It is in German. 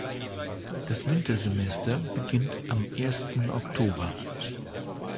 Das Wintersemester beginnt am ersten Oktober.